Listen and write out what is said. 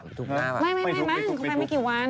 ไม่มั่นเขาไปไม่กี่วัน